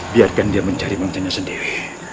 biarkan dia mencari menterinya sendiri